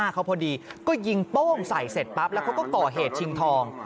เขาพอดีก็ยิงโป้งใส่เสร็จปั๊บแล้วเขาก็ก่อเหตุชิงทอง